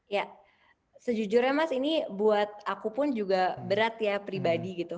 ya sejujurnya mas ini buat aku pun juga berat ya pribadi gitu